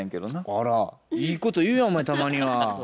あらいいこと言うやんお前たまには。